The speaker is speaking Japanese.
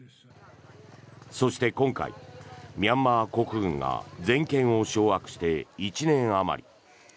そして今回、ミャンマー国軍が全権を掌握して１年あまり。